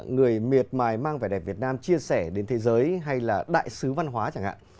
người miệt mài mang vẻ đẹp việt nam chia sẻ đến thế giới hay là đại sứ văn hóa chẳng hạn